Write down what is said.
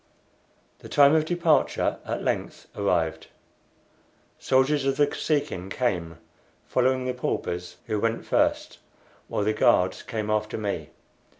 The time of departure at length arrived. Soldiers of the Kosekin came, following the paupers, who went first, while the guards came after me.